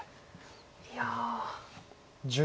いや。